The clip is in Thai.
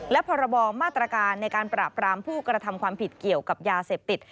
และพรบมาตรการในการปราบรามผู้กระทำความผิดเกี่ยวกับยาเสพติด